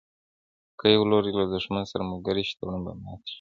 که یو لوری له دښمن سره ملګری شي تړون ماتیږي.